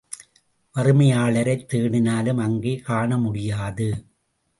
வறுமையாளரைத் தேடினாலும் அங்கே காணமுடியாது.